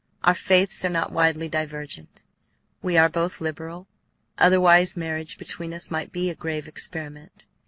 Our faiths are not widely divergent. We are both liberal; otherwise marriage between us might be a grave experiment.